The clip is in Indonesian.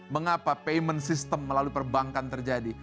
mengapa payment system melalui perbankan terjadi